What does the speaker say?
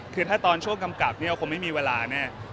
คือถ้าตอนช่วงกำกับเนี่ยคงไม่มีเวลาแน่